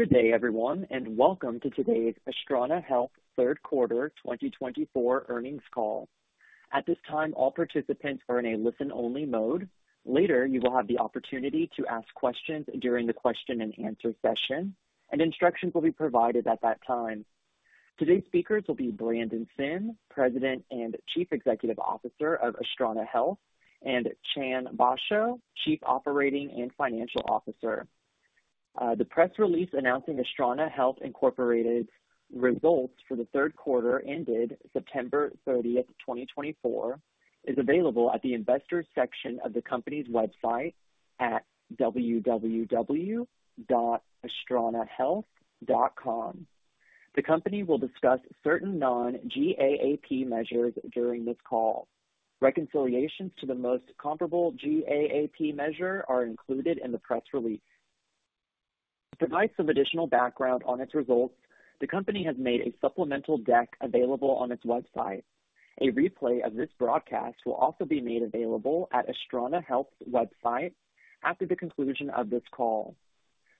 Good day, everyone, and welcome to today's Astrana Health third quarter 2024 earnings call. At this time, all participants are in a listen-only mode. Later, you will have the opportunity to ask questions during the question-and-answer session, and instructions will be provided at that time. Today's speakers will be Brandon Sim, President and Chief Executive Officer of Astrana Health, and Chan Basho, Chief Operating and Financial Officer. The press release announcing Astrana Health Incorporated's results for the third quarter ended September 30, 2024, is available at the investor section of the company's website at www.astranahealth.com. The company will discuss certain non-GAAP measures during this call. Reconciliations to the most comparable GAAP measure are included in the press release. To provide some additional background on its results, the company has made a supplemental deck available on its website. A replay of this broadcast will also be made available at Astrana Health's website after the conclusion of this call.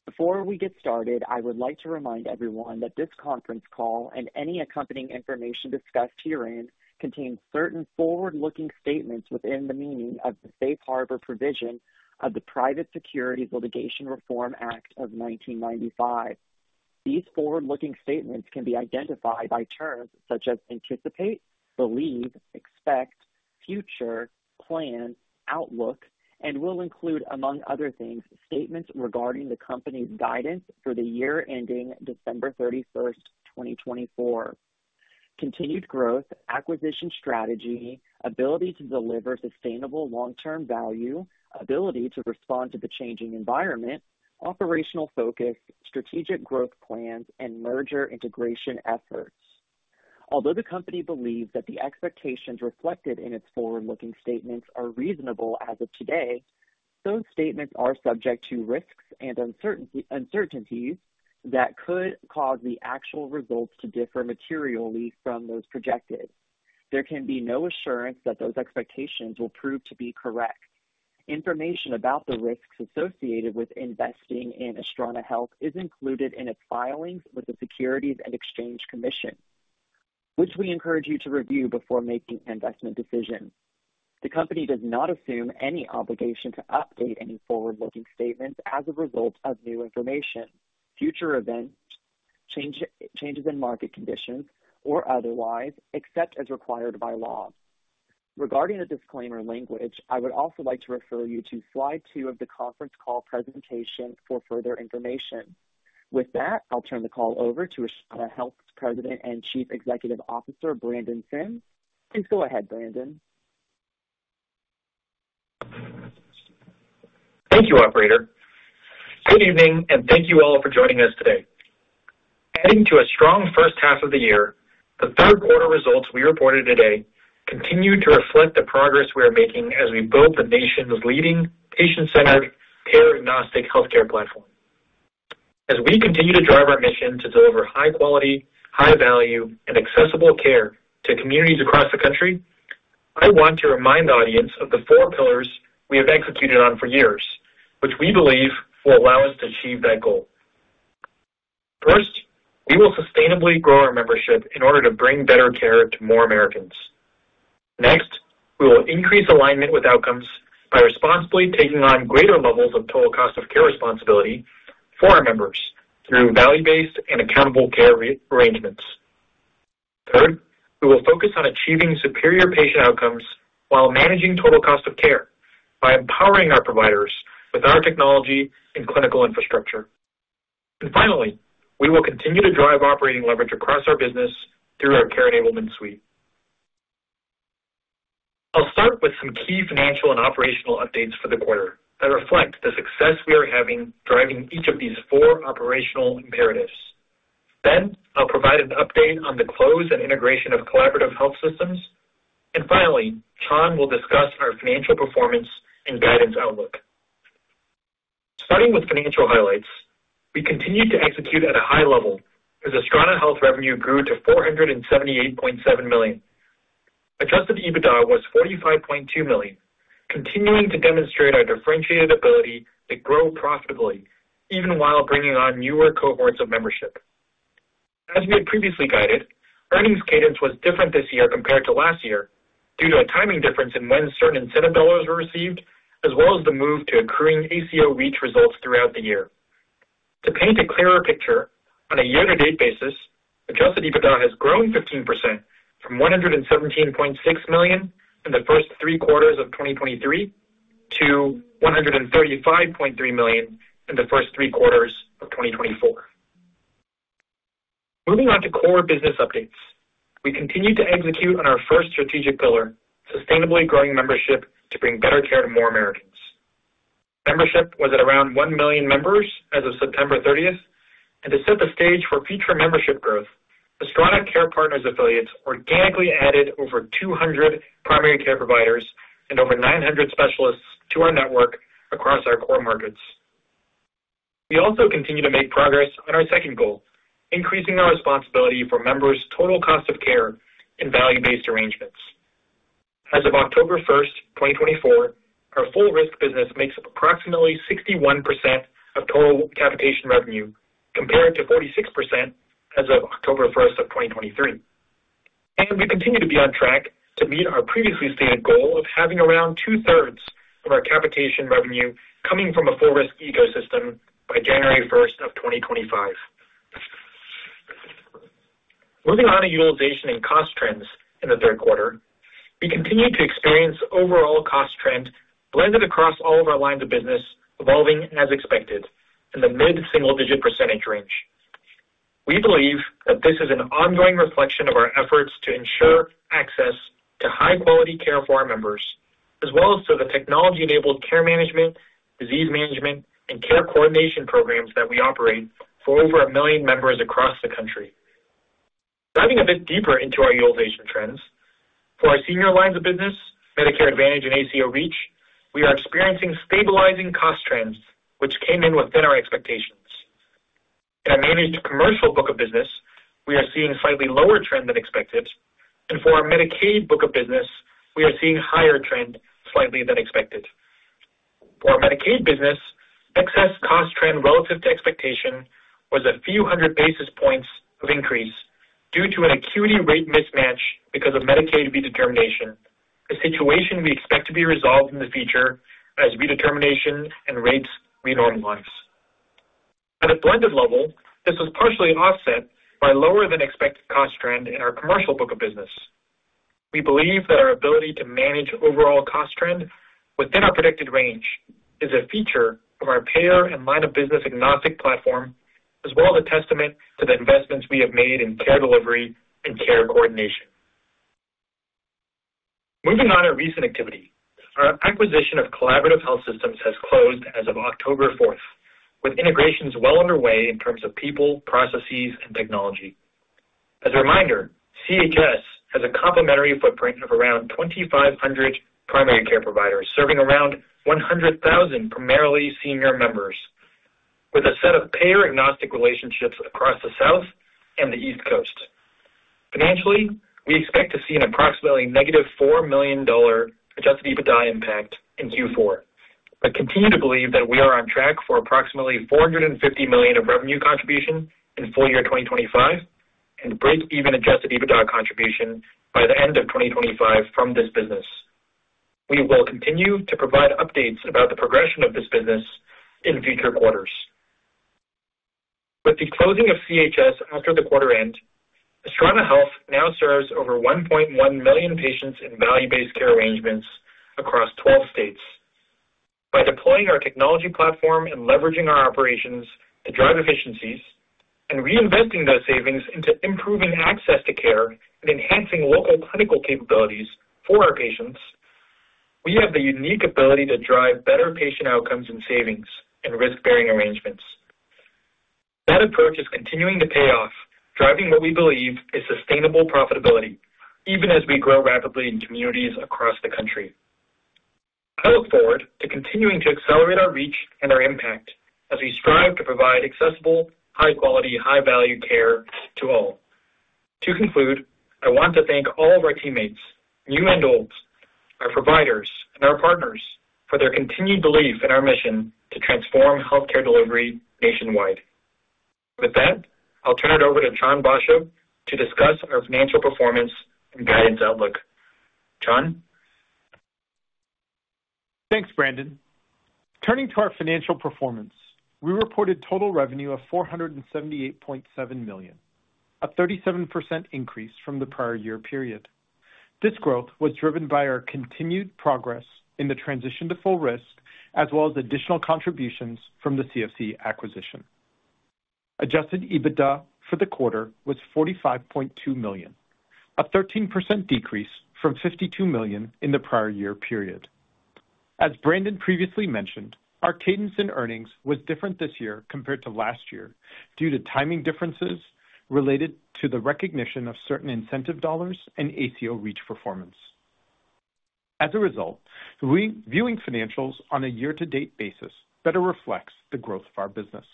Before we get started, I would like to remind everyone that this conference call and any accompanying information discussed herein contains certain forward-looking statements within the meaning of the Safe Harbor provision of the Private Securities Litigation Reform Act of 1995. These forward-looking statements can be identified by terms such as anticipate, believe, expect, future, plan, outlook, and will include, among other things, statements regarding the company's guidance for the year ending December 31, 2024, continued growth, acquisition strategy, ability to deliver sustainable long-term value, ability to respond to the changing environment, operational focus, strategic growth plans, and merger integration efforts. Although the company believes that the expectations reflected in its forward-looking statements are reasonable as of today, those statements are subject to risks and uncertainties that could cause the actual results to differ materially from those projected. There can be no assurance that those expectations will prove to be correct. Information about the risks associated with investing in Astrana Health is included in its filings with the Securities and Exchange Commission, which we encourage you to review before making investment decisions. The company does not assume any obligation to update any forward-looking statements as a result of new information, future events, changes in market conditions, or otherwise, except as required by law. Regarding the disclaimer language, I would also like to refer you to slide two of the conference call presentation for further information. With that, I'll turn the call over to Astrana Health's President and Chief Executive Officer, Brandon Sim. Please go ahead, Brandon. Thank you, Operator. Good evening, and thank you all for joining us today. Adding to a strong first half of the year, the third quarter results we reported today continue to reflect the progress we are making as we build the nation's leading patient-centered, payer-agnostic healthcare platform. As we continue to drive our mission to deliver high-quality, high-value, and accessible care to communities across the country, I want to remind the audience of the four pillars we have executed on for years, which we believe will allow us to achieve that goal. First, we will sustainably grow our membership in order to bring better care to more Americans. Next, we will increase alignment with outcomes by responsibly taking on greater levels of total cost of care responsibility for our members through value-based and accountable care arrangements. Third, we will focus on achieving superior patient outcomes while managing total cost of care by empowering our providers with our technology and clinical infrastructure. And finally, we will continue to drive operating leverage across our business through our care enablement suite. I'll start with some key financial and operational updates for the quarter that reflect the success we are having driving each of these four operational imperatives. Then, I'll provide an update on the close and integration of Collaborative Health Systems. And finally, Chan will discuss our financial performance and guidance outlook. Starting with financial highlights, we continued to execute at a high level as Astrana Health revenue grew to $478.7 million. Adjusted EBITDA was $45.2 million, continuing to demonstrate our differentiated ability to grow profitably even while bringing on newer cohorts of membership. As we had previously guided, earnings cadence was different this year compared to last year due to a timing difference in when certain incentive dollars were received, as well as the move to accruing ACO REACH results throughout the year. To paint a clearer picture, on a year-to-date basis, Adjusted EBITDA has grown 15% from $117.6 million in the first three quarters of 2023 to $135.3 million in the first three quarters of 2024. Moving on to core business updates, we continue to execute on our first strategic pillar, sustainably growing membership to bring better care to more Americans. Membership was at around 1 million members as of September 30, and to set the stage for future membership growth, Astrana Care Partners affiliates organically added over 200 primary care providers and over 900 specialists to our network across our core markets. We also continue to make progress on our second goal, increasing our responsibility for members' total cost of care and value-based arrangements. As of October 1, 2024, our full-risk business makes up approximately 61% of total capitation revenue, compared to 46% as of October 1, 2023, and we continue to be on track to meet our previously stated goal of having around two-thirds of our capitation revenue coming from a full-risk ecosystem by January 1, 2025. Moving on to utilization and cost trends in the third quarter, we continue to experience overall cost trends blended across all of our lines of business, evolving as expected in the mid-single-digit percentage range. We believe that this is an ongoing reflection of our efforts to ensure access to high-quality care for our members, as well as to the technology-enabled care management, disease management, and care coordination programs that we operate for over a million members across the country. Diving a bit deeper into our utilization trends, for our senior lines of business, Medicare Advantage and ACO REACH, we are experiencing stabilizing cost trends, which came in within our expectations. In our managed commercial book of business, we are seeing a slightly lower trend than expected, and for our Medicaid book of business, we are seeing a higher trend slightly than expected. For our Medicaid business, excess cost trend relative to expectation was a few hundred basis points of increase due to an acuity rate mismatch because of Medicaid redetermination, a situation we expect to be resolved in the future as redetermination and rates renormalize. At a blended level, this was partially offset by a lower-than-expected cost trend in our commercial book of business. We believe that our ability to manage overall cost trend within our predicted range is a feature of our payer and line-of-business-agnostic platform, as well as a testament to the investments we have made in care delivery and care coordination. Moving on to recent activity, our acquisition of Collaborative Health Systems has closed as of October 4, with integrations well underway in terms of people, processes, and technology. As a reminder, CHS has a complimentary footprint of around 2,500 primary care providers serving around 100,000 primarily senior members, with a set of payer-agnostic relationships across the South and the East Coast. Financially, we expect to see an approximately -$4 million adjusted EBITDA impact in Q4, but continue to believe that we are on track for approximately $450 million of revenue contribution in full year 2025 and break-even adjusted EBITDA contribution by the end of 2025 from this business. We will continue to provide updates about the progression of this business in future quarters. With the closing of CHS after the quarter end, Astrana Health now serves over 1.1 million patients in value-based care arrangements across 12 states. By deploying our technology platform and leveraging our operations to drive efficiencies and reinvesting those savings into improving access to care and enhancing local clinical capabilities for our patients, we have the unique ability to drive better patient outcomes and savings in risk-bearing arrangements. That approach is continuing to pay off, driving what we believe is sustainable profitability, even as we grow rapidly in communities across the country. I look forward to continuing to accelerate our reach and our impact as we strive to provide accessible, high-quality, high-value care to all. To conclude, I want to thank all of our teammates, new and old, our providers, and our partners for their continued belief in our mission to transform healthcare delivery nationwide. With that, I'll turn it over to Chan Basho to discuss our financial performance and guidance outlook. Chan? Thanks, Brandon. Turning to our financial performance, we reported total revenue of $478.7 million, a 37% increase from the prior year period. This growth was driven by our continued progress in the transition to full risk, as well as additional contributions from the CFC acquisition. Adjusted EBITDA for the quarter was $45.2 million, a 13% decrease from $52 million in the prior year period. As Brandon previously mentioned, our cadence in earnings was different this year compared to last year due to timing differences related to the recognition of certain incentive dollars and ACO REACH performance. As a result, viewing financials on a year-to-date basis better reflects the growth of our business.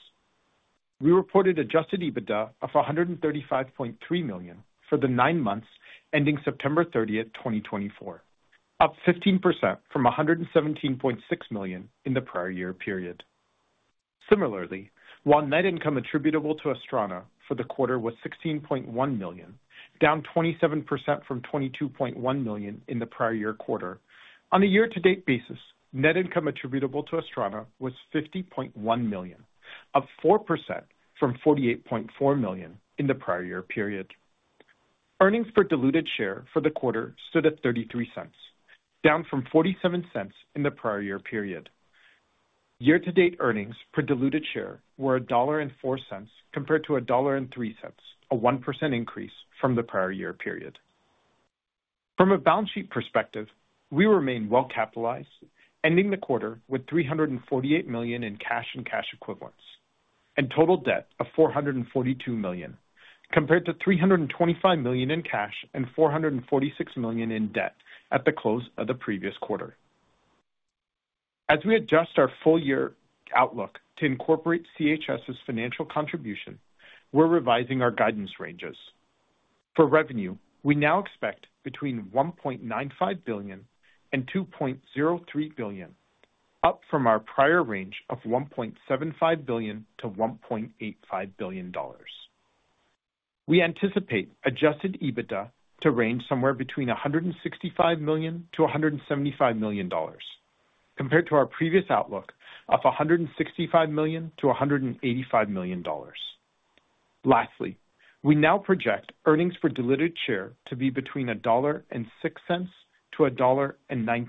We reported adjusted EBITDA of $135.3 million for the nine months ending September 30, 2024, up 15% from $117.6 million in the prior year period. Similarly, while net income attributable to Astrana for the quarter was $16.1 million, down 27% from $22.1 million in the prior year quarter, on a year-to-date basis, net income attributable to Astrana was $50.1 million, up 4% from $48.4 million in the prior year period. Earnings per diluted share for the quarter stood at $0.33, down from $0.47 in the prior year period. Year-to-date earnings per diluted share were $1.04 compared to $1.03, a 1% increase from the prior year period. From a balance sheet perspective, we remain well-capitalized, ending the quarter with $348 million in cash and cash equivalents, and total debt of $442 million, compared to $325 million in cash and $446 million in debt at the close of the previous quarter. As we adjust our full-year outlook to incorporate CHS's financial contribution, we're revising our guidance ranges. For revenue, we now expect between $1.95 billion and $2.03 billion, up from our prior range of $1.75 billion to $1.85 billion. We anticipate Adjusted EBITDA to range somewhere between $165 million to $175 million, compared to our previous outlook of $165 million to $185 million. Lastly, we now project earnings per diluted share to be between $1.06 to $1.19,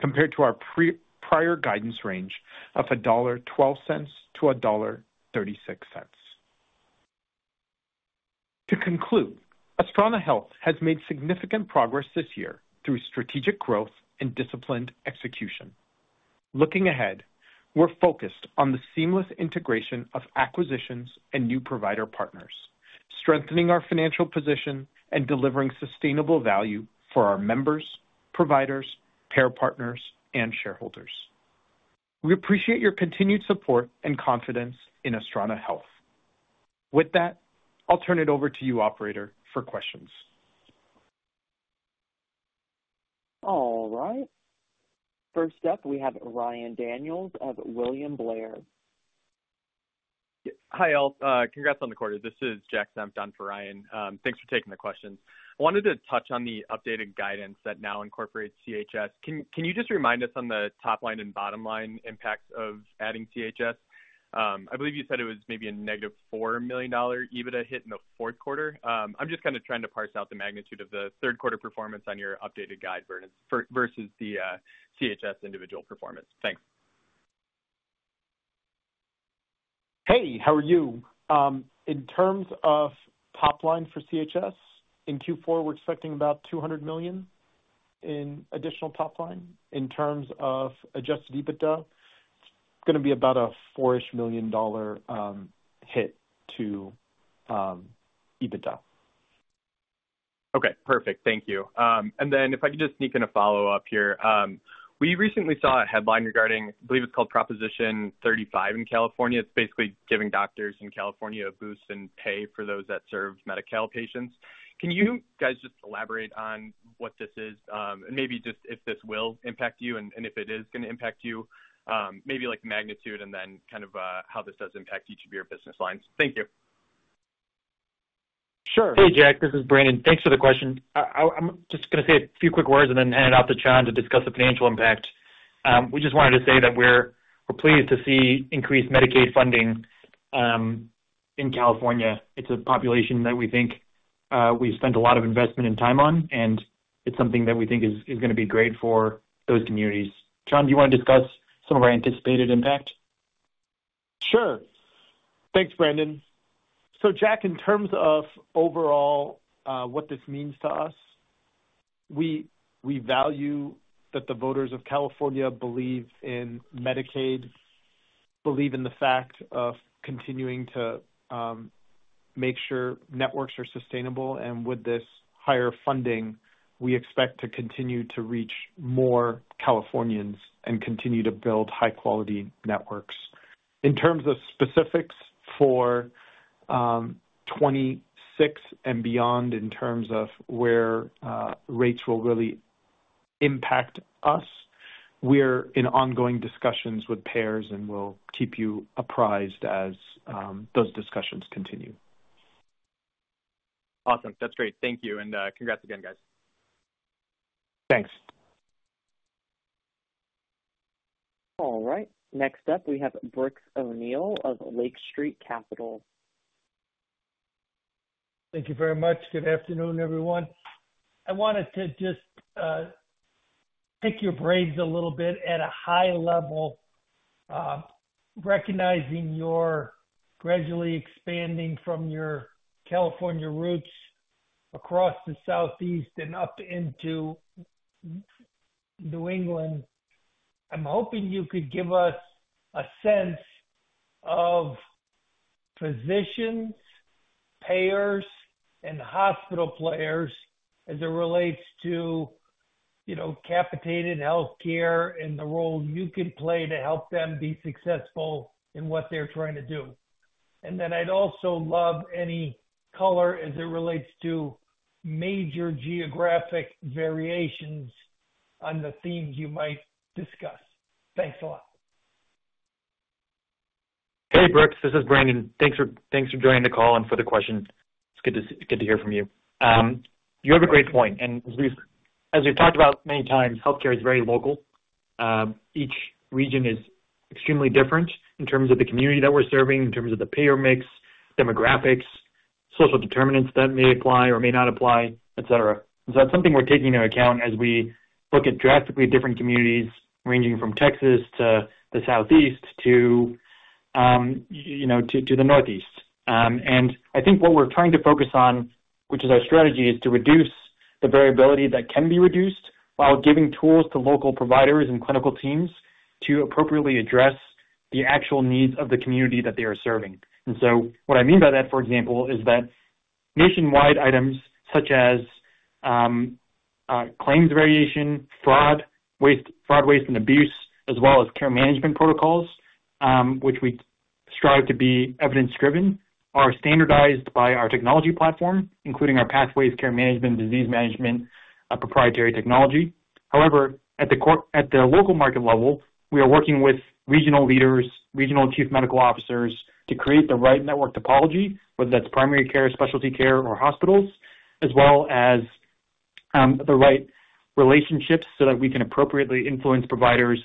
compared to our prior guidance range of $1.12 to $1.36. To conclude, Astrana Health has made significant progress this year through strategic growth and disciplined execution. Looking ahead, we're focused on the seamless integration of acquisitions and new provider partners, strengthening our financial position and delivering sustainable value for our members, providers, care partners, and shareholders. We appreciate your continued support and confidence in Astrana Health. With that, I'll turn it over to you, Operator, for questions. All right. First up, we have Ryan Daniels of William Blair. Hi, all. Congrats on the quarter. This is Jack Samson for Ryan. Thanks for taking the question. I wanted to touch on the updated guidance that now incorporates CHS. Can you just remind us on the top line and bottom line impacts of adding CHS? I believe you said it was maybe a negative $4 million EBITDA hit in the fourth quarter. I'm just kind of trying to parse out the magnitude of the third-quarter performance on your updated guidance versus the CHS individual performance. Thanks. Hey, how are you? In terms of top line for CHS, in Q4, we're expecting about $200 million in additional top line. In terms of adjusted EBITDA, it's going to be about a $4 million hit to EBITDA. Okay, perfect. Thank you. And then if I can just sneak in a follow-up here, we recently saw a headline regarding, I believe it's called Proposition 35 in California. It's basically giving doctors in California a boost in pay for those that serve Medi-Cal patients. Can you guys just elaborate on what this is, and maybe just if this will impact you and if it is going to impact you, maybe like the magnitude and then kind of how this does impact each of your business lines? Thank you. Sure. Hey, Jack. This is Brandon. Thanks for the question. I'm just going to say a few quick words and then hand it off to Chan to discuss the financial impact. We just wanted to say that we're pleased to see increased Medicaid funding in California. It's a population that we think we've spent a lot of investment and time on, and it's something that we think is going to be great for those communities. Chan, do you want to discuss some of our anticipated impact? Sure. Thanks, Brandon. So, Jack, in terms of overall what this means to us, we value that the voters of California believe in Medicaid, believe in the fact of continuing to make sure networks are sustainable. And with this higher funding, we expect to continue to reach more Californians and continue to build high-quality networks. In terms of specifics for 2026 and beyond, in terms of where rates will really impact us, we're in ongoing discussions with payers and we'll keep you apprised as those discussions continue. Awesome. That's great. Thank you, and congrats again, guys. Thanks. All right. Next up, we have Brooks O'Neill of Lake Street Capital. Thank you very much. Good afternoon, everyone. I wanted to just pick your brains a little bit at a high level, recognizing you're gradually expanding from your California roots across the Southeast and up into New England. I'm hoping you could give us a sense of physicians, payers, and hospital players as it relates to capitated healthcare and the role you can play to help them be successful in what they're trying to do. And then I'd also love any color as it relates to major geographic variations on the themes you might discuss. Thanks a lot. Hey, Brooks. This is Brandon. Thanks for joining the call and for the question. It's good to hear from you. You have a great point, and as we've talked about many times, healthcare is very local. Each region is extremely different in terms of the community that we're serving, in terms of the payer mix, demographics, social determinants that may apply or may not apply, etc., and so that's something we're taking into account as we look at drastically different communities ranging from Texas to the Southeast to the Northeast, and I think what we're trying to focus on, which is our strategy, is to reduce the variability that can be reduced while giving tools to local providers and clinical teams to appropriately address the actual needs of the community that they are serving. What I mean by that, for example, is that nationwide items such as claims variation, fraud, waste, and abuse, as well as care management protocols, which we strive to be evidence-driven, are standardized by our technology platform, including our pathways, care management, and disease management proprietary technology. However, at the local market level, we are working with regional leaders, regional chief medical officers to create the right network topology, whether that's primary care, specialty care, or hospitals, as well as the right relationships so that we can appropriately influence providers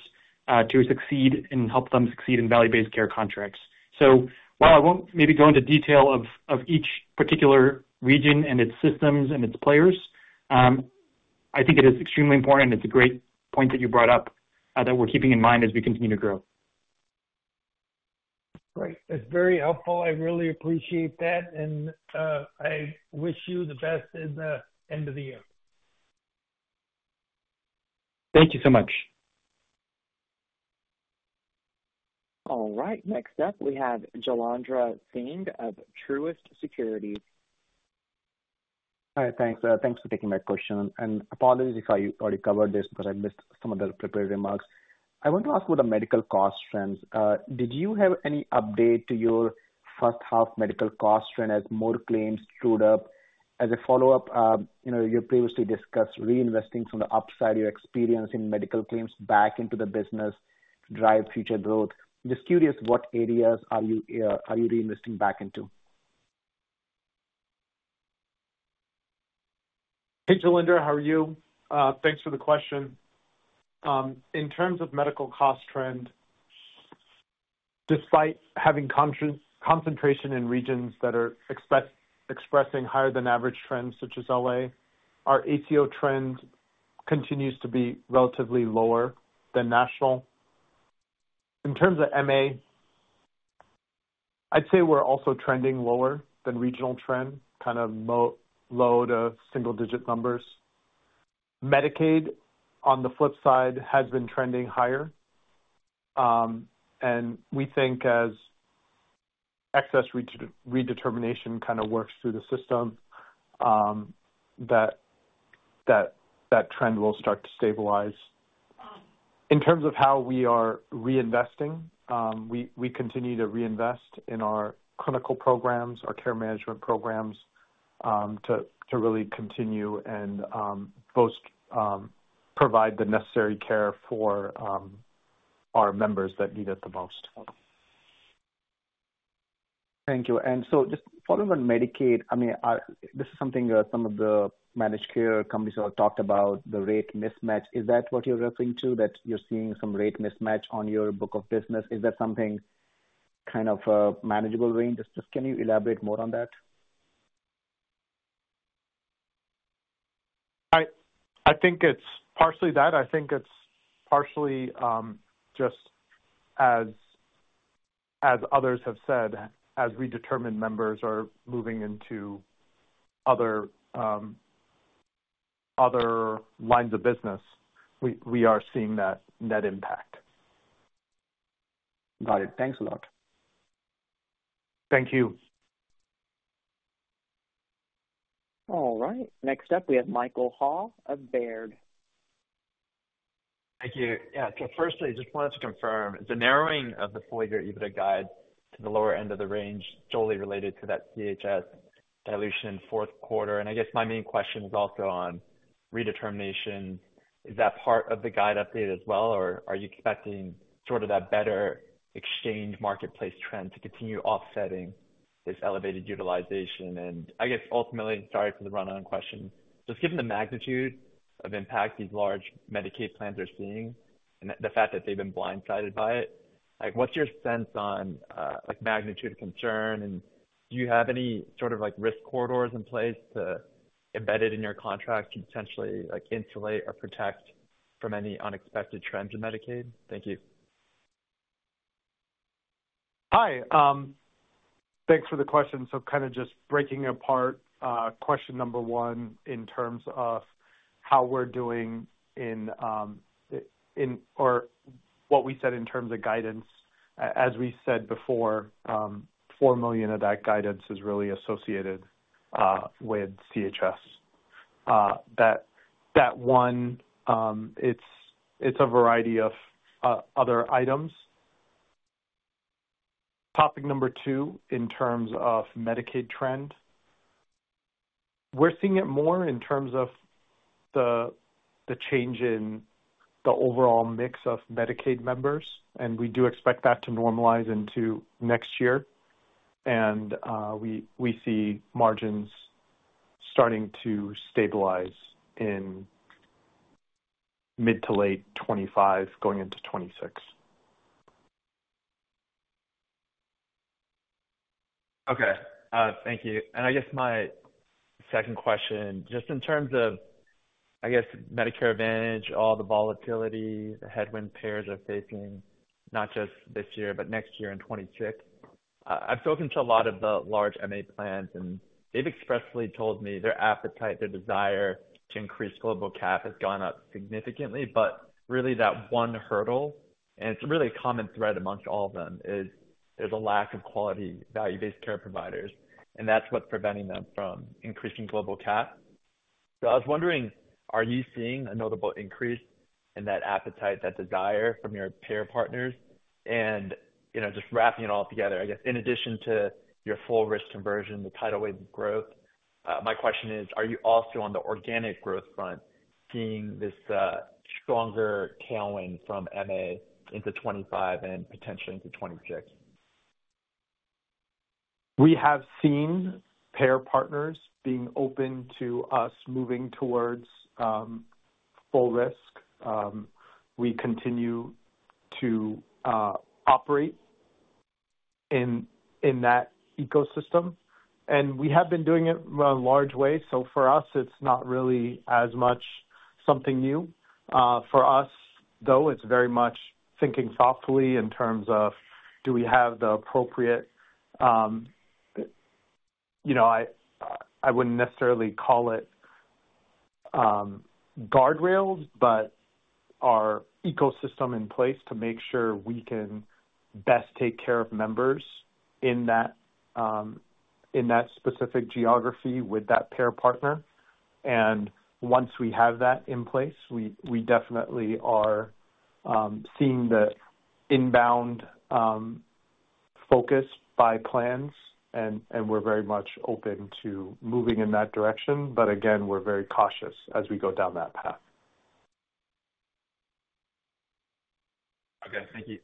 to succeed and help them succeed in value-based care contracts. So while I won't maybe go into detail of each particular region and its systems and its players, I think it is extremely important, and it's a great point that you brought up, that we're keeping in mind as we continue to grow. Great. That's very helpful. I really appreciate that, and I wish you the best in the end of the year. Thank you so much. All right. Next up, we have Jailendra Singh of Truist Securities. Hi. Thanks. Thanks for taking my question. And apologies if I already covered this because I missed some of the prepared remarks. I want to ask about the medical cost trends. Did you have any update to your first-half medical cost trend as more claims stood up? As a follow-up, you previously discussed reinvesting some of the upside you're experiencing in medical claims back into the business to drive future growth. Just curious, what areas are you reinvesting back into? Hey, Jailendra. How are you? Thanks for the question. In terms of medical cost trend, despite having concentration in regions that are expressing higher-than-average trends such as LA, our ACO trend continues to be relatively lower than national. In terms of MA, I'd say we're also trending lower than regional trend, kind of low to single-digit numbers. Medicaid, on the flip side, has been trending higher, and we think as excess redetermination kind of works through the system, that trend will start to stabilize. In terms of how we are reinvesting, we continue to reinvest in our clinical programs, our care management programs, to really continue and both provide the necessary care for our members that need it the most. Thank you. And so just following on Medicaid, I mean, this is something some of the managed care companies have talked about, the rate mismatch. Is that what you're referring to, that you're seeing some rate mismatch on your book of business? Is that something kind of a manageable range? Just can you elaborate more on that? I think it's partially that. I think it's partially just as others have said, as redetermined members are moving into other lines of business, we are seeing that net impact. Got it. Thanks a lot. Thank you. All right. Next up, we have Michael Ha of Baird. Thank you. Yeah. So first, I just wanted to confirm, the narrowing of the four-year EBITDA guide to the lower end of the range is solely related to that CHS dilution in fourth quarter. And I guess my main question is also on redetermination. Is that part of the guide update as well, or are you expecting sort of that better exchange marketplace trend to continue offsetting this elevated utilization? And I guess ultimately, sorry for the run-on question, just given the magnitude of impact these large Medicaid plans are seeing and the fact that they've been blindsided by it, what's your sense on magnitude of concern? And do you have any sort of risk corridors in place to embed it in your contracts to potentially insulate or protect from any unexpected trends in Medicaid? Thank you. Hi. Thanks for the question. So, kind of just breaking apart question number one in terms of how we're doing or what we said in terms of guidance. As we said before, $4 million of that guidance is really associated with CHS. That one, it's a variety of other items. Topic number two in terms of Medicaid trend, we're seeing it more in terms of the change in the overall mix of Medicaid members, and we do expect that to normalize into next year, and we see margins starting to stabilize in mid- to late 2025, going into 2026. Okay. Thank you. And I guess my second question, just in terms of, I guess, Medicare Advantage, all the volatility, the headwinds payers are facing, not just this year, but next year in 2026. I've spoken to a lot of the large MA plans, and they've expressly told me their appetite, their desire to increase global cap has gone up significantly. But really, that one hurdle, and it's a really common thread amongst all of them, is there's a lack of quality value-based care providers. And that's what's preventing them from increasing global cap. So I was wondering, are you seeing a notable increase in that appetite, that desire from your payer partners? Just wrapping it all together, I guess, in addition to your full risk conversion, the tidal wave of growth, my question is, are you also on the organic growth front seeing this stronger tailwind from MA into 2025 and potentially into 2026? We have seen payer partners being open to us moving towards full risk. We continue to operate in that ecosystem. And we have been doing it in a large way. So for us, it's not really as much something new. For us, though, it's very much thinking thoughtfully in terms of, do we have the appropriate, I wouldn't necessarily call it guardrails, but our ecosystem in place to make sure we can best take care of members in that specific geography with that payer partner. And once we have that in place, we definitely are seeing the inbound focus by plans. And we're very much open to moving in that direction. But again, we're very cautious as we go down that path. Okay. Thank you.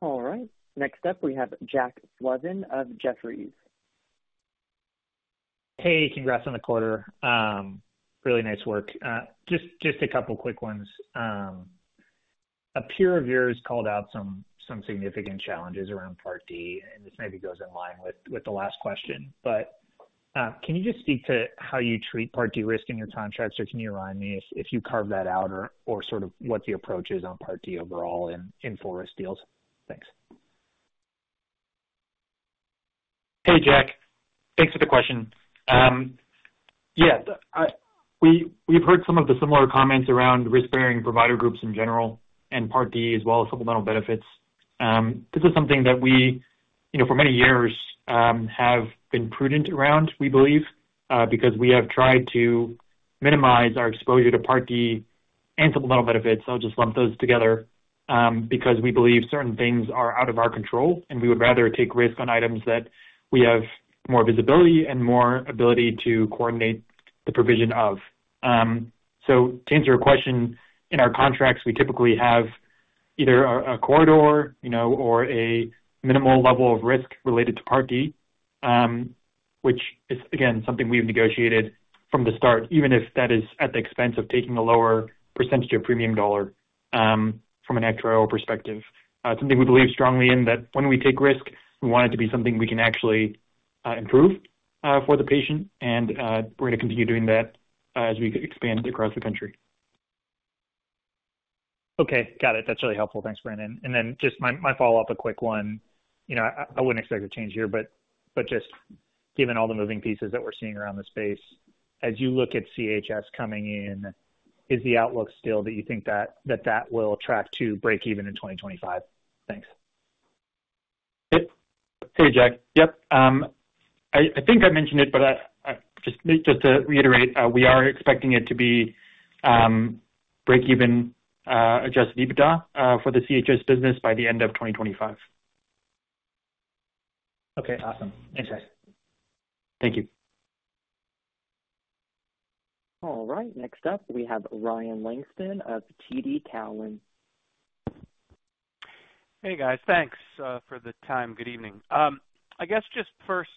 All right. Next up, we have Jack Slevin of Jefferies. Hey, congrats on the quarter. Really nice work. Just a couple of quick ones. A peer of yours called out some significant challenges around Part D. And this maybe goes in line with the last question. But can you just speak to how you treat Part D risk in your contracts? Or can you remind me if you carve that out or sort of what the approach is on Part D overall in full-risk deals? Thanks. Hey, Jack. Thanks for the question. Yeah. We've heard some of the similar comments around risk-bearing provider groups in general and Part D, as well as supplemental benefits. This is something that we, for many years, have been prudent around, we believe, because we have tried to minimize our exposure to Part D and supplemental benefits. I'll just lump those together because we believe certain things are out of our control, and we would rather take risk on items that we have more visibility and more ability to coordinate the provision of. So to answer your question, in our contracts, we typically have either a corridor or a minimal level of risk related to Part D, which is, again, something we've negotiated from the start, even if that is at the expense of taking a lower percentage of premium dollar from an actuarial perspective. It's something we believe strongly in that when we take risk, we want it to be something we can actually improve for the patient. And we're going to continue doing that as we expand across the country. Okay. Got it. That's really helpful. Thanks, Brandon. And then just my follow-up, a quick one. I wouldn't expect a change here, but just given all the moving pieces that we're seeing around the space, as you look at CHS coming in, is the outlook still that you think that that will track to break even in 2025? Thanks. Hey, Jack. Yep. I think I mentioned it, but just to reiterate, we are expecting it to be break-even Adjusted EBITDA for the CHS business by the end of 2025. Okay. Awesome. Thanks, guys. Thank you. All right. Next up, we have Ryan Langston of TD Cowen. Hey, guys. Thanks for the time. Good evening. I guess just first,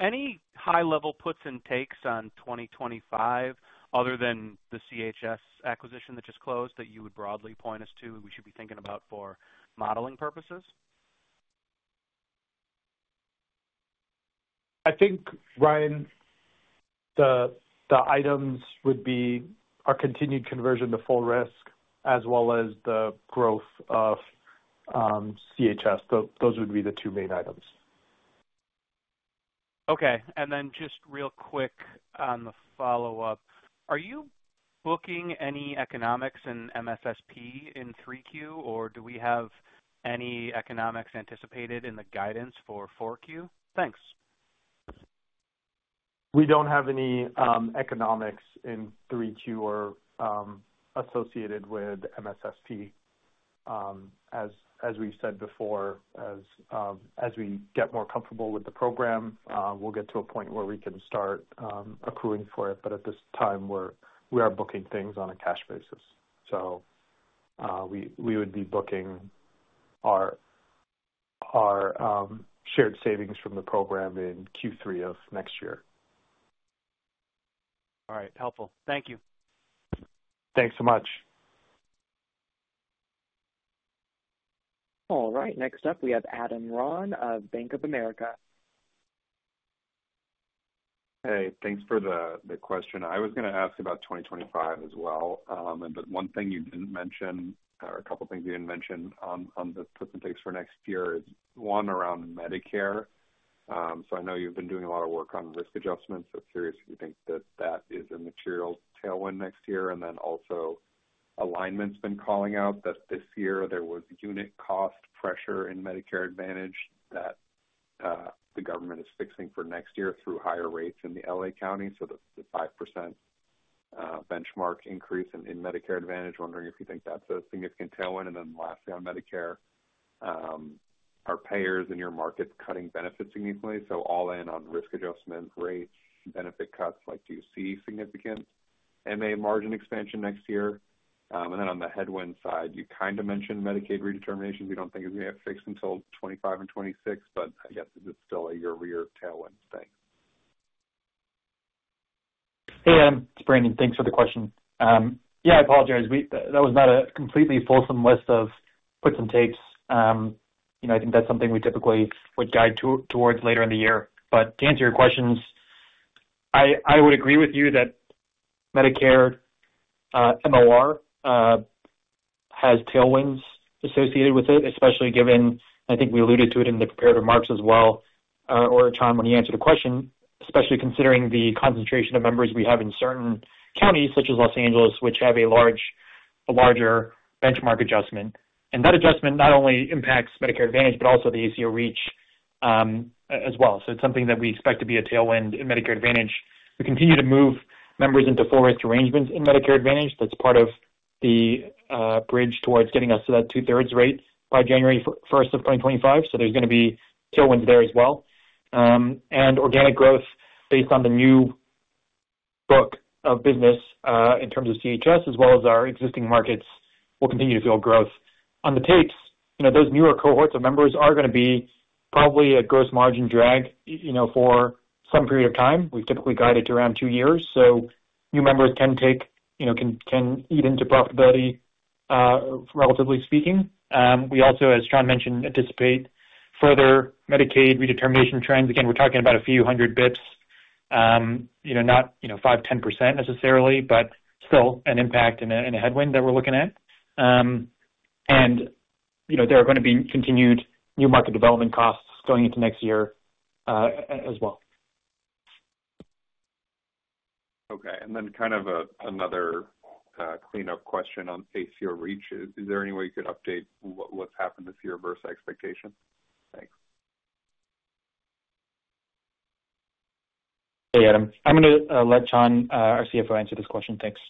any high-level puts and takes on 2025 other than the CHS acquisition that just closed that you would broadly point us to, we should be thinking about for modeling purposes? I think, Ryan, the items would be our continued conversion to full risk as well as the growth of CHS. Those would be the two main items. Okay. And then just real quick on the follow-up, are you booking any economics in MSSP in 3Q, or do we have any economics anticipated in the guidance for 4Q? Thanks. We don't have any economics in 3Q or associated with MSSP. As we said before, as we get more comfortable with the program, we'll get to a point where we can start accruing for it. But at this time, we are booking things on a cash basis. So we would be booking our shared savings from the program in Q3 of next year. All right. Helpful. Thank you. Thanks so much. All right. Next up, we have Adam Ron of Bank of America. Hey, thanks for the question. I was going to ask about 2025 as well. But one thing you didn't mention, or a couple of things you didn't mention on the puts and takes for next year is one around Medicare. So I know you've been doing a lot of work on risk adjustments. I'm curious if you think that that is a material tailwind next year. And then also, Alignment's been calling out that this year there was unit cost pressure in Medicare Advantage that the government is fixing for next year through higher rates in the LA County. So the five% benchmark increase in Medicare Advantage, wondering if you think that's a significant tailwind. And then lastly, on Medicare, are payers in your markets cutting benefits significantly? So all in on risk adjustment, rates, benefit cuts, do you see significant MA margin expansion next year? And then on the headwind side, you kind of mentioned Medicaid redetermination. You don't think it's going to get fixed until 2025 and 2026, but I guess is it still a year-to-year tailwind thing? Hey, it's Brandon. Thanks for the question. Yeah, I apologize. That was not a completely fulsome list of puts and takes. I think that's something we typically would guide towards later in the year. But to answer your questions, I would agree with you that Medicare MA has tailwinds associated with it, especially given, and I think we alluded to it in the prepared remarks as well, or at a time when you answered the question, especially considering the concentration of members we have in certain counties such as Los Angeles, which have a larger benchmark adjustment. And that adjustment not only impacts Medicare Advantage, but also the ACO REACH as well. So it's something that we expect to be a tailwind in Medicare Advantage. We continue to move members into full-risk arrangements in Medicare Advantage. That's part of the bridge towards getting us to that two-thirds rate by January 1st of 2025, so there's going to be tailwinds there as well, and organic growth based on the new book of business in terms of CHS, as well as our existing markets, will continue to fuel growth. On the takes, those newer cohorts of members are going to be probably a gross margin drag for some period of time. We've typically guided to around two years. So new members can eat into profitability, relatively speaking. We also, as Chan mentioned, anticipate further Medicaid redetermination trends. Again, we're talking about a few hundred basis points, not 5%-10% necessarily, but still an impact and a headwind that we're looking at, and there are going to be continued new market development costs going into next year as well. Okay. And then kind of another cleanup question on ACO REACH. Is there any way you could update what's happened this year versus expectation? Thanks. Hey, Adam. I'm going to let Chan, our CFO, answer this question. Thanks.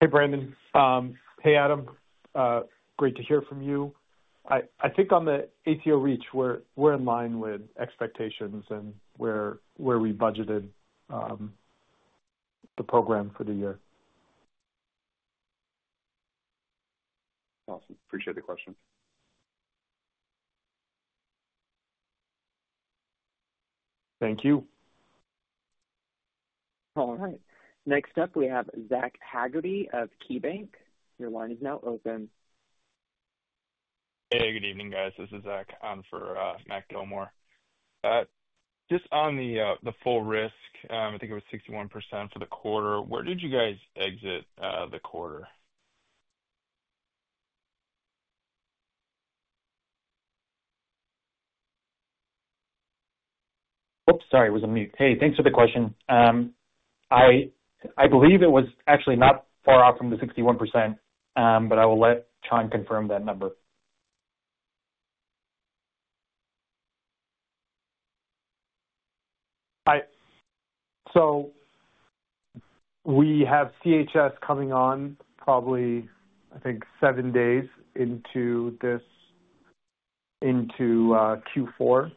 Hey, Brandon. Hey, Adam. Great to hear from you. I think on the ACO REACH, we're in line with expectations and where we budgeted the program for the year. Awesome. Appreciate the question. Thank you. All right. Next up, we have Zach Haggerty of KeyBanc. Your line is now open. Hey, good evening, guys. This is Zach for Matt Gillmor. Just on the full risk, I think it was 61% for the quarter. Where did you guys exit the quarter? Oops, sorry. It was a mute. Hey, thanks for the question. I believe it was actually not far off from the 61%, but I will let Chan confirm that number. Hi. So we have CHS coming on probably, I think, seven days into Q4.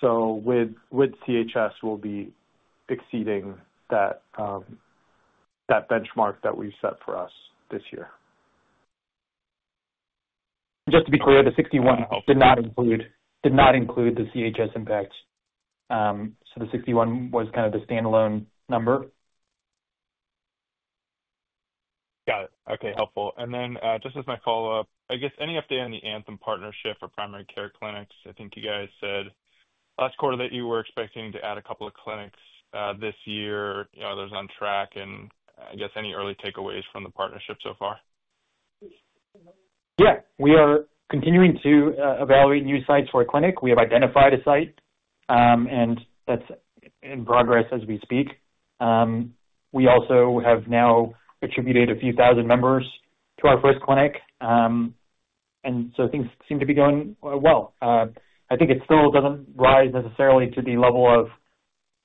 So with CHS, we'll be exceeding that benchmark that we've set for us this year. Just to be clear, the 61 did not include the CHS impact. So the 61 was kind of the standalone number. Got it. Okay. Helpful. And then just as my follow-up, I guess any update on the Anthem partnership for primary care clinics? I think you guys said last quarter that you were expecting to add a couple of clinics this year. Are those on track? And I guess any early takeaways from the partnership so far? Yeah. We are continuing to evaluate new sites for a clinic. We have identified a site, and that's in progress as we speak. We also have now attributed a few thousand members to our first clinic. And so things seem to be going well. I think it still doesn't rise necessarily to the level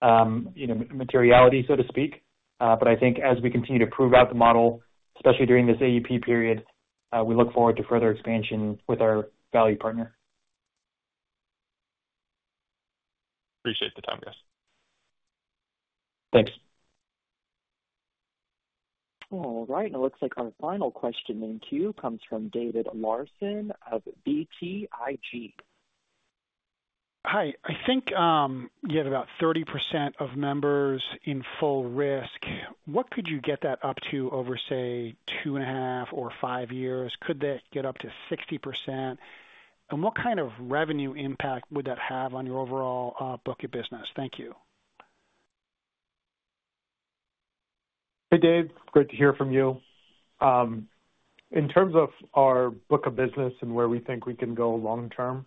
of materiality, so to speak. But I think as we continue to prove out the model, especially during this AEP period, we look forward to further expansion with our value partner. Appreciate the time, guys. Thanks. All right. And it looks like our final question in queue comes from David Larsen of BTIG. Hi. I think you had about 30% of members in full risk. What could you get that up to over, say, two and a half or five years? Could that get up to 60%? And what kind of revenue impact would that have on your overall book of business? Thank you. Hey, Dave. Great to hear from you. In terms of our book of business and where we think we can go long-term,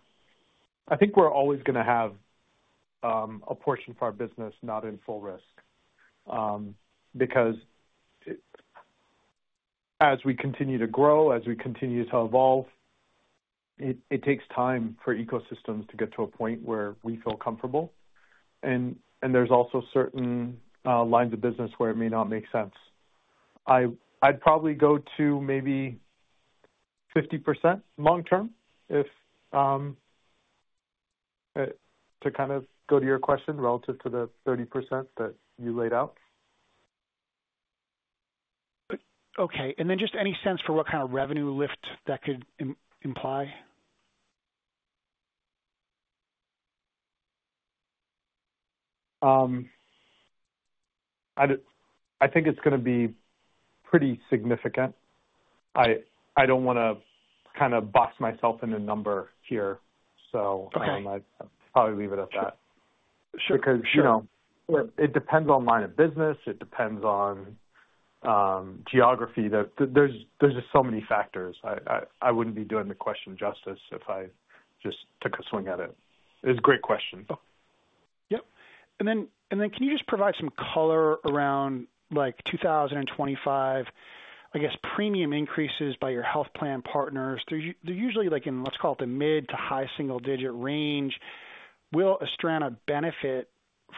I think we're always going to have a portion for our business not in full risk because as we continue to grow, as we continue to evolve, it takes time for ecosystems to get to a point where we feel comfortable, and there's also certain lines of business where it may not make sense. I'd probably go to maybe 50% long-term to kind of go to your question relative to the 30% that you laid out. Okay. And then just any sense for what kind of revenue lift that could imply? I think it's going to be pretty significant. I don't want to kind of box myself in a number here. So I'll probably leave it at that. Because it depends on line of business. It depends on geography. There's just so many factors. I wouldn't be doing the question justice if I just took a swing at it. It's a great question. Yep. And then can you just provide some color around 2025, I guess, premium increases by your health plan partners? They're usually in, let's call it, the mid to high single-digit range. Will Astrana benefit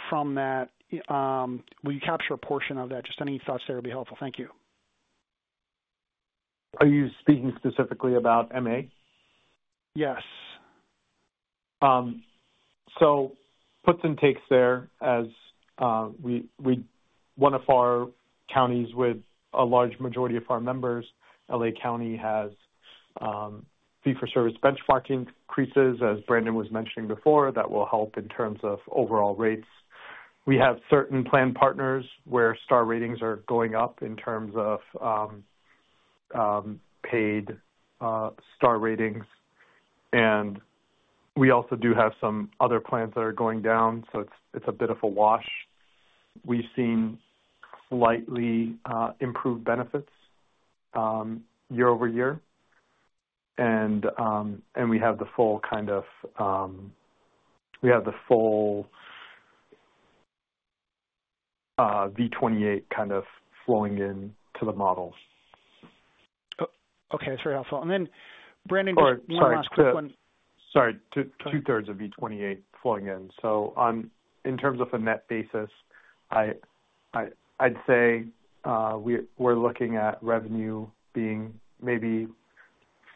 from that? Will you capture a portion of that? Just any thoughts there would be helpful. Thank you. Are you speaking specifically about MA? Yes. So puts and takes there as one of our counties with a large majority of our members, LA County has fee-for-service benchmark increases, as Brandon was mentioning before, that will help in terms of overall rates. We have certain plan partners where Star Ratings are going up in terms of paid Star Ratings. And we also do have some other plans that are going down. So it's a bit of a wash. We've seen slightly improved benefits year over year. And we have the full V28 kind of flowing into the model. Okay. That's very helpful. And then, Brandon, just one last quick one. Sorry. Two-thirds of V28 flowing in. So in terms of a net basis, I'd say we're looking at revenue being maybe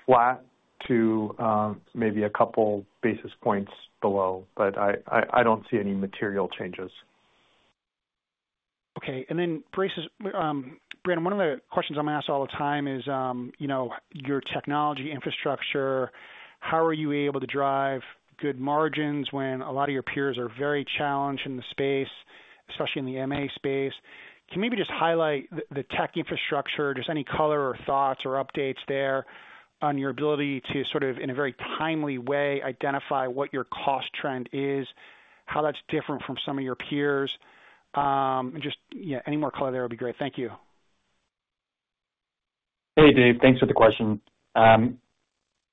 flat to maybe a couple basis points below, but I don't see any material changes. Okay. And then, Brandon, one of the questions I'm going to ask all the time is your technology infrastructure. How are you able to drive good margins when a lot of your peers are very challenged in the space, especially in the MA space? Can you maybe just highlight the tech infrastructure, just any color or thoughts or updates there on your ability to sort of, in a very timely way, identify what your cost trend is, how that's different from some of your peers? And just any more color there would be great. Thank you. Hey, Dave. Thanks for the question.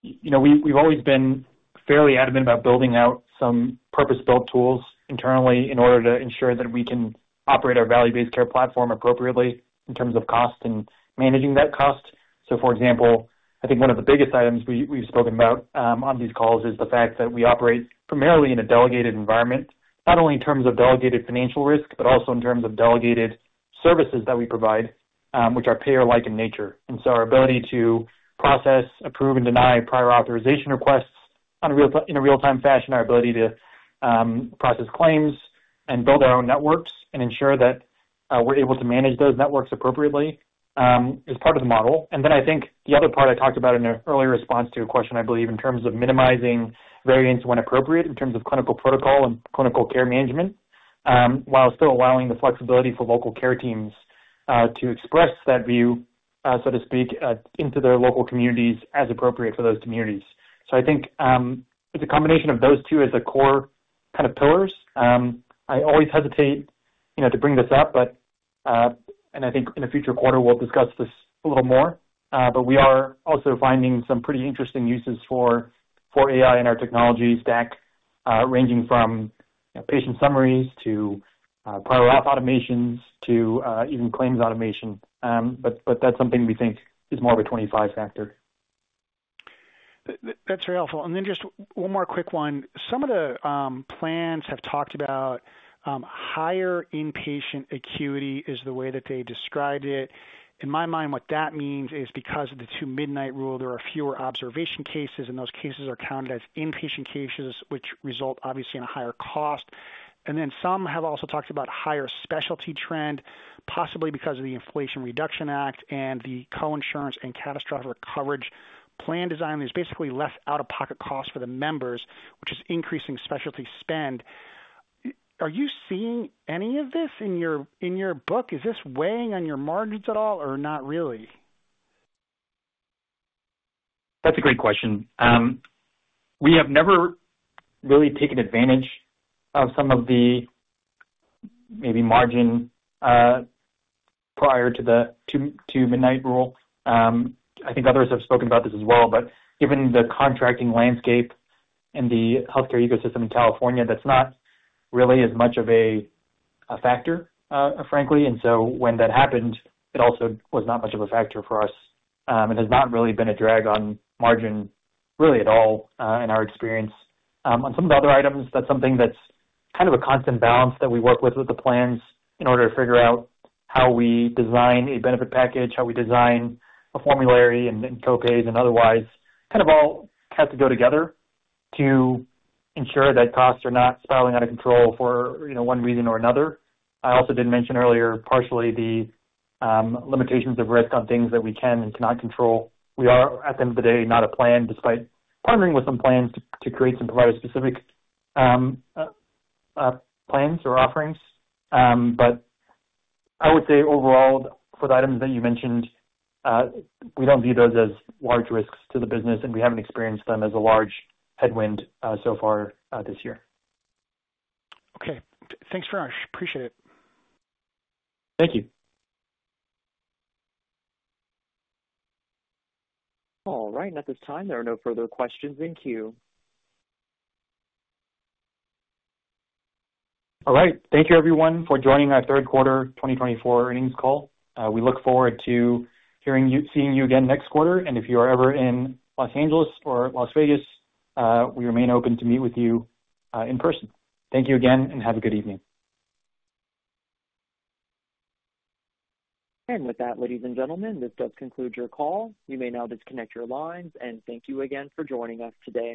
We've always been fairly adamant about building out some purpose-built tools internally in order to ensure that we can operate our value-based care platform appropriately in terms of cost and managing that cost. So, for example, I think one of the biggest items we've spoken about on these calls is the fact that we operate primarily in a delegated environment, not only in terms of delegated financial risk, but also in terms of delegated services that we provide, which are payer-like in nature, and so our ability to process, approve, and deny prior authorization requests in a real-time fashion, our ability to process claims and build our own networks and ensure that we're able to manage those networks appropriately is part of the model. And then I think the other part I talked about in an earlier response to your question, I believe, in terms of minimizing variance when appropriate in terms of clinical protocol and clinical care management, while still allowing the flexibility for local care teams to express that view, so to speak, into their local communities as appropriate for those communities. So I think it's a combination of those two as the core kind of pillars. I always hesitate to bring this up, and I think in a future quarter, we'll discuss this a little more. But we are also finding some pretty interesting uses for AI and our technology stack, ranging from patient summaries to prior auth automations to even claims automation. But that's something we think is more of a 25 factor. That's very helpful. And then just one more quick one. Some of the plans have talked about higher inpatient acuity is the way that they described it. In my mind, what that means is because of the Two-Midnight Rule, there are fewer observation cases, and those cases are counted as inpatient cases, which result, obviously, in a higher cost. And then some have also talked about higher specialty trend, possibly because of the Inflation Reduction Act and the co-insurance and catastrophic coverage plan design. There's basically less out-of-pocket cost for the members, which is increasing specialty spend. Are you seeing any of this in your book? Is this weighing on your margins at all, or not really? That's a great question. We have never really taken advantage of some of the maybe margin prior to the Two-Midnight Rule. I think others have spoken about this as well. But given the contracting landscape and the healthcare ecosystem in California, that's not really as much of a factor, frankly. And so when that happened, it also was not much of a factor for us. It has not really been a drag on margin, really, at all, in our experience. On some of the other items, that's something that's kind of a constant balance that we work with with the plans in order to figure out how we design a benefit package, how we design a formulary and copays, and otherwise. Kind of all have to go together to ensure that costs are not spiraling out of control for one reason or another. I also did mention earlier, partially, the limitations of risk on things that we can and cannot control. We are, at the end of the day, not a plan, despite partnering with some plans to create some provider-specific plans or offerings. But I would say, overall, for the items that you mentioned, we don't view those as large risks to the business, and we haven't experienced them as a large headwind so far this year. Okay. Thanks very much. Appreciate it. Thank you. All right. And at this time, there are no further questions in queue. All right. Thank you, everyone, for joining our third quarter 2024 earnings call. We look forward to seeing you again next quarter. And if you are ever in Los Angeles or Las Vegas, we remain open to meet with you in person. Thank you again, and have a good evening. And with that, ladies and gentlemen, this does conclude your call. You may now disconnect your lines. And thank you again for joining us today.